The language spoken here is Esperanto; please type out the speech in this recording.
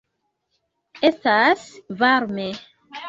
Estas varme.